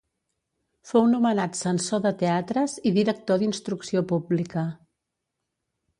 Fou nomenat censor de teatres i director d'instrucció pública.